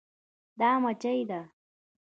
دا مچي ده